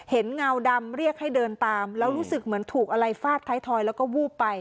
เงาดำเรียกให้เดินตามแล้วรู้สึกเหมือนถูกอะไรฟาดท้ายทอยแล้วก็วูบไป